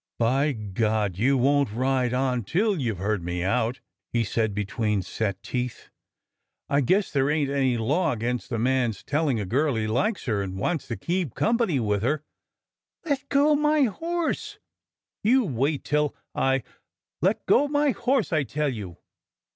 By God ! you won't ride on till you 've heard me out !" he said between set teeth. " I guess there ain't any law against a man's telling a girl he likes her and wants to keep company with her !" ''Let go my horse!'' ''You wait till I " "Let go my horse, I tell you!"